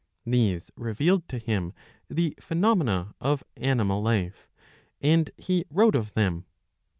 These revealed to him the phenomena of animal life, and he wrote of them.